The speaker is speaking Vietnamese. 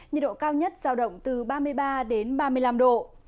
nhiệt độ cao nhất giao động từ ba mươi ba đến ba mươi năm độ